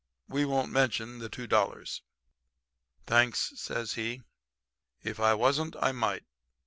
We won't mention the two dollars.' "'Thanks,' says he. 'If I wasn't, I might.